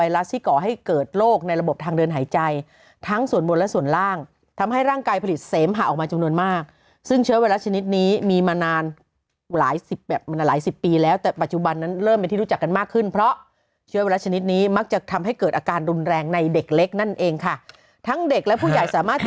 และระบบทางเดินหายใจทั้งส่วนบนและส่วนล่างทำให้ร่างกายผลิตเสมหะออกมาจำนวนมากซึ่งเชื้อไวรัสชนิดนี้มีมานานหลายสิบแบบหลายสิบปีแล้วแต่ปัจจุบันนั้นเริ่มเป็นที่รู้จักกันมากขึ้นเพราะเชื้อไวรัสชนิดนี้มักจะทำให้เกิดอาการรุนแรงในเด็กเล็กนั่นเองค่ะทั้งเด็กและผู้ใหญ่สามารถ